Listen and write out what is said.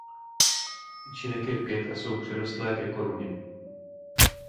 Tyčinek je pět a jsou přirostlé ke koruně.